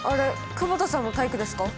久保田さんも体育ですか。